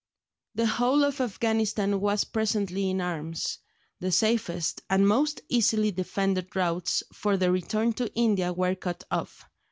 The whole of Afghanistan was presently in arms; the safest and most easily defended routes for the return to India were cut off.